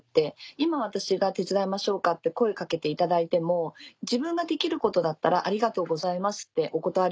今私が「手伝いましょうか？」って声掛けていただいても自分ができることだったら「ありがとうございます」ってお断り